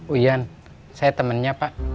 uyan saya temennya pak